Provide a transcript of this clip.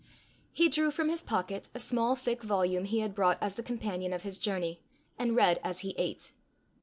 He drew from his pocket a small thick volume he had brought as the companion of his journey, and read as he ate.